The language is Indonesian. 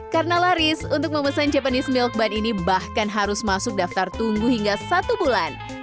karena laris untuk memesan japanese milk bun ini bahkan harus masuk daftar tunggu hingga satu bulan